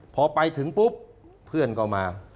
พอไปถึงปุ๊บเพื่อนก็มา